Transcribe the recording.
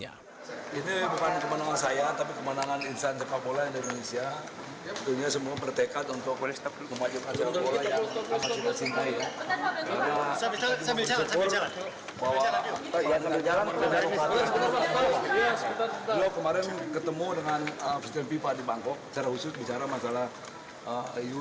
kami ketemu dengan presiden pipa di bangkok secara khusus bicara masalah iud dua ribu dua puluh satu